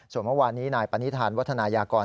ส่วนเมื่อวานนี้นายปณิธานวัฒนายากร